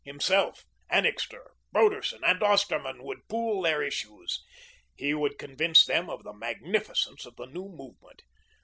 Himself, Annixter, Broderson and Osterman would pool their issues. He would convince them of the magnificence of the new movement.